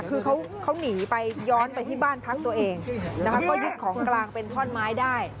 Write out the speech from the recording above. คือเขาหนีไปย้อนไปที่บ้านพักตัวเองนะคะก็ยึดของกลางเป็นท่อนไม้ได้